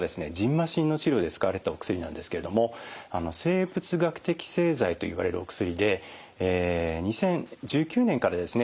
ましんの治療で使われてたお薬なんですけれども生物学的製剤といわれるお薬で２０１９年からですね